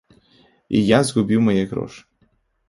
І я згубіў мае грошы.